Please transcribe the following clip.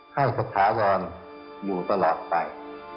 ให้สถาวรอยู่ตลอดไป